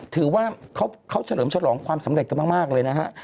ถือว่าเขาเฉลิมฉลองความสำเร็จกันมากเลยนะฮะ